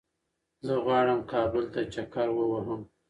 زه غواړم کابل ته چکر ووهم